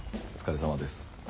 お疲れさまです。